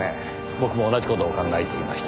僕も同じ事を考えていました。